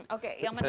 oke yang menarik